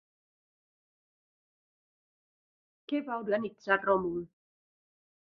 Què va organitzar Ròmul?